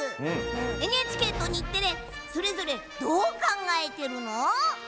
ＮＨＫと日テレ、それぞれどう考えているの？